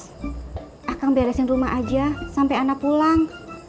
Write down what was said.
saya beresin rumah saja sampai saya pulang